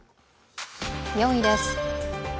４位です。